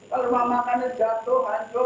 kalau rumah makannya jatuh hancur